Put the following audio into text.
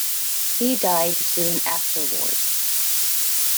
He died soon afterwards.